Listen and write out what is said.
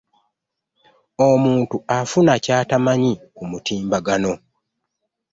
omuntu afuna ky'atamanyi ku mutimbagano.